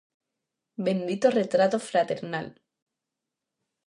Bendito retrato fraternal.